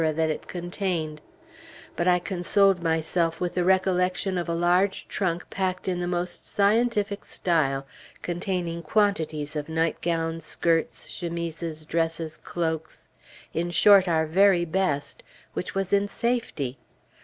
that it contained; but I consoled myself with the recollection of a large trunk packed in the most scientific style, containing quantities of nightgowns, skirts, chemises, dresses, cloaks, in short, our very best, which was in safety.